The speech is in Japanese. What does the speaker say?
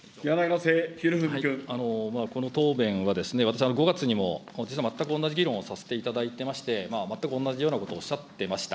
この答弁は、私、５月にもこれと全く同じ議論をさせていただいてまして、全く同じようなことをおっしゃってました。